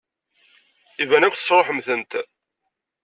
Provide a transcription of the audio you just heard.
Iban akk tesṛuḥemt-tent.